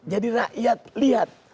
jadi rakyat lihat